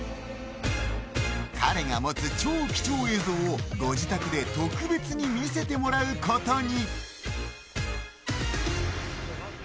彼が持つ超貴重映像をご自宅で特別に見せてもらうことに。